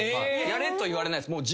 やれと言われないです。